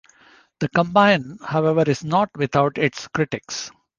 The combine however is not without its critics.